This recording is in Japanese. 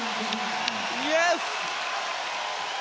イエス！